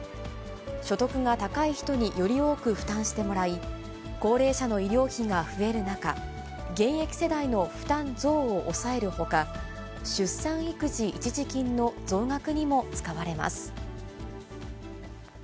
所得が高い人により多く負担してもらい、高齢者の医療費が増える中、現役世代の負担増を抑えるほか、出産育児一時金の増額にも使われます。